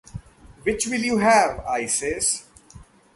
Which will you have, Isis?